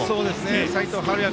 齋藤敏哉